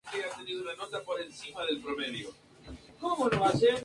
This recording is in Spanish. Se puede acceder mediante la Avenida Santa Rosa.